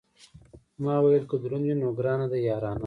ما ویل که دروند وي، نو ګرانه ده یارانه.